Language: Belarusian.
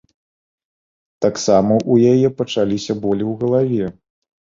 Таксама ў яе пачаліся болі ў галаве.